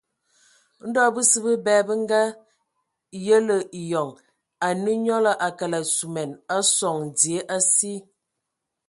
Ndo bəsǝ bəbɛ bə ngayelə eyɔŋ, anə nyɔlɔ a kəlǝg suman a sɔŋ dzie asi.